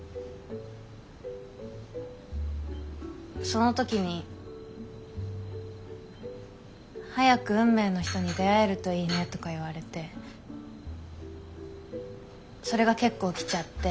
その時に「早く運命の人に出会えるといいね」とか言われてそれが結構きちゃって。